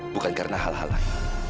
bukan karena hal hal lain